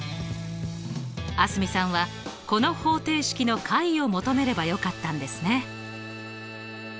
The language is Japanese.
蒼澄さんはこの方程式の解を求めればよかったんですね。